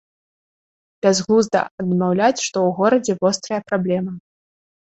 Бязглузда адмаўляць, што ў горадзе вострая праблема.